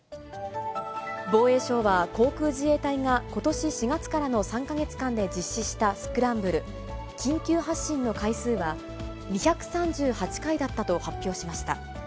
防衛省は、航空自衛隊がことし４月からの３か月間で実施したスクランブル・緊急発進の回数は、２３８回だったと発表しました。